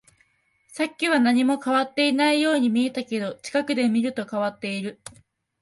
さっきは何も変わっていないように見えたけど、近くで見ると変わっている